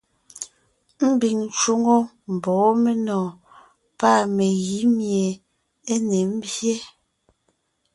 Ḿbiŋ ńcwoŋo ḿbɔ́ɔn menɔ̀ɔn pâ megǐ míe é ne ḿbyé.